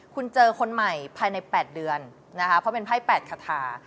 คุณเจอคนใหม่ภายใน๘เดือนนะคะเพราะเป็นไพ่๘คาทา